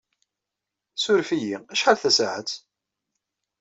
Ssuref-iyi, acḥal tasaɛet?